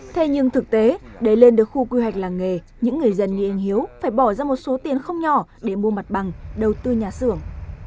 thế nhưng thực tế để lên được khu quy hoạch làng nghề những người dân như anh hiếu phải bỏ ra một số tiền không nhỏ để mua mặt bằng đầu tư nhà xưởng